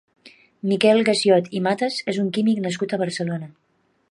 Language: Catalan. Miquel Gassiot i Matas és un químic nascut a Barcelona.